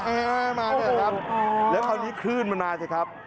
เอ่อมาเถอะครับแล้วคราวนี้ขึ้นมามาสิครับ